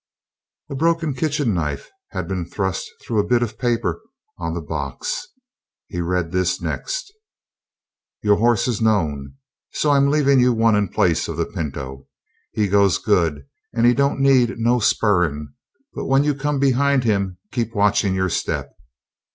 A broken kitchen knife had been thrust through a bit of the paper on the box. He read this next: Your hoss is known. So I'm leaving you one in place of the pinto. He goes good and he dont need no spurring but when you come behind him keep watching your step.